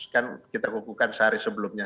kan kita kukukan sehari sebelumnya